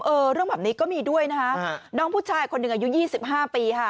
เออเรื่องแบบนี้ก็มีด้วยนะฮะน้องผู้ชายคนหนึ่งอายุ๒๕ปีฮะ